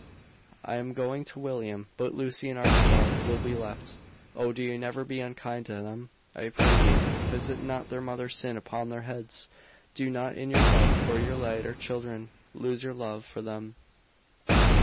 "I am going to William. But Lucy and Archibald will be left. Oh, do you never be unkind to them! I pray you, visit not their mother's sin upon their heads! Do not in your love for your later children, lose your love for them!"